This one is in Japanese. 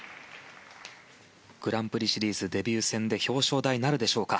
グランプリシリーズデビュー戦で表彰台なるでしょうか。